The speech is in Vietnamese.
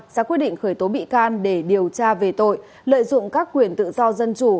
ra quyết định khởi tố bị can để điều tra về tội lợi dụng các quyền tự do dân chủ